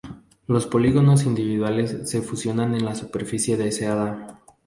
Los polígonos individuales se fusionan en la superficie deseada.